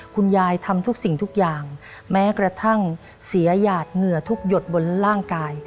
คุณยายทำทุกสิ่งทุกอย่างแม้กระทั่งเสียหยาดเหงื่อทุกหยดบนร่างกาย